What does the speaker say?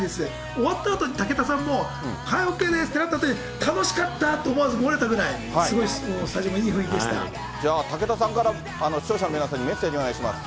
終わったあとに、武田さんも、はい、ＯＫ、楽しかったと、思わず漏れたくらい、すごいスタジオもいいじゃあ、武田さんから視聴者の皆さんにメッセージお願いします。